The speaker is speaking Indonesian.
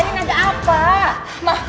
erin ada apa